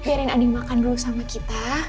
biarin adi makan dulu sama kita